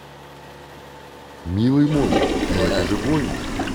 Милый мой, но это же больно!